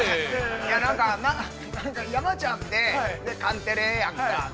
◆なんか、山ちゃんって、カンテレやんか。